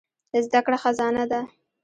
زده کړه خزانه ده.